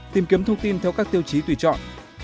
tìm kiếm thông tin theo các tiêu chí tùy chọn